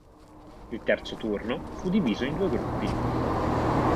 Il terzo turno fu diviso in due gruppi.